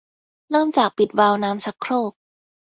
เริ่มจากปิดวาล์วน้ำชักโครก